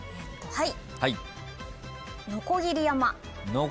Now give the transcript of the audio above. はい。